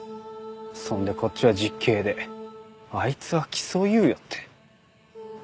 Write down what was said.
そんでこっちは実刑であいつは起訴猶予って。